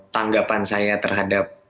tanggapan saya terhadap